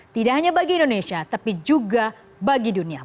tidak hanya bagi indonesia tapi juga bagi dunia